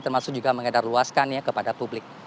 termasuk juga mengedarluaskannya kepada publik